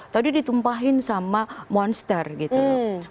tadi ditumpahin sama monster gitu loh